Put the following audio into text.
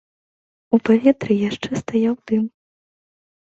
У паветры яшчэ стаяў дым.